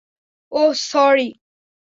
ওহ, sorry.